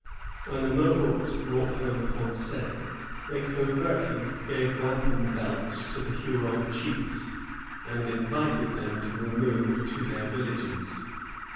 When the Mohawks brought home Poncet, they covertly gave wampum belts to the Huron chiefiB, and invited them to remove to their villages.